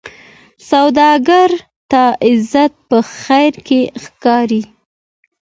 سوالګر ته عزت په خیر کې ښکاري